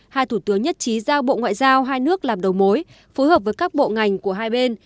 hai thủ tướng nhất trí giao bộ ngoại giao hai nước làm đầu mối phối hợp với các bộ ngành của hai bên